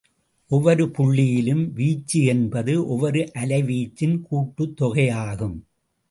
ஒவ்வொரு புள்ளியிலும் வீச்சு என்பது ஒவ்வொரு அலை வீச்சின் கூட்டுத் தொகை ஆகும்.